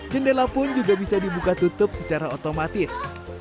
jendela pun juga bisa dibuka tutup secara otomatis